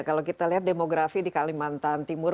kalau kita lihat demografi di kalimantan timur